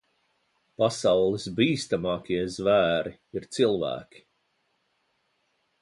Pasaules bīstamākie zvēri ir cilvēki.